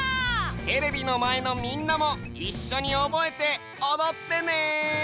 テレビのまえのみんなもいっしょにおぼえておどってね！